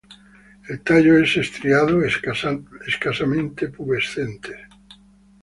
El tallo es estriado, escasamente pubescentes.